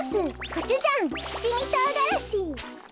コチュジャンしちみとうがらし！